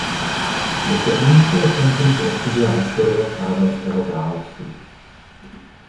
Je zde umístěno centrum pro studia historie Aragonského království.